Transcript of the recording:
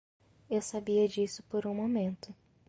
Eu sabia disso por um momento.